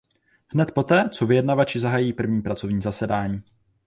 Hned poté, co vyjednavači zahájí první pracovní zasedání.